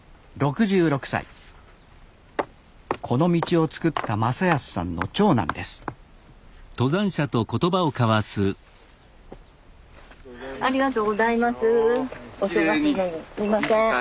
この道を作った正泰さんの長男ですありがとうございます。